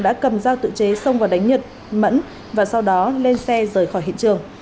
đã cầm dao tự chế xông vào đánh nhật mẫn và sau đó lên xe rời khỏi hiện trường